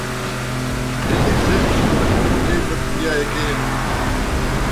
Lilly said she wanted to play for Pia again.